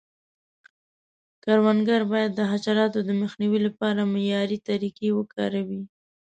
کروندګر باید د حشراتو د مخنیوي لپاره معیاري طریقې وکاروي.